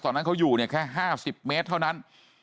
ตอนนั้นเขาอยู่เนี่ยแค่๕๐เมตรเท่านั้น